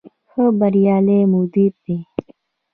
ښه بریالی مدیر دی.